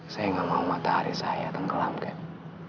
saya nggak mau matahari saya tenggelam kan